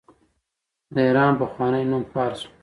د ایران پخوانی نوم فارس و.